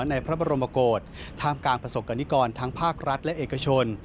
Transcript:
ในพระบรมโกศท่ามกลางประสบกรณิกรทั้งภาครัฐและเอกชน